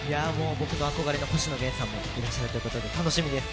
僕の憧れの星野源さんもいらっしゃるということで楽しみです。